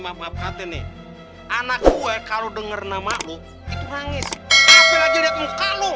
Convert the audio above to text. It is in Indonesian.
maaf maaf katanya nih anak gue kalau denger nama lo itu nangis tapi lagi lihat muka lo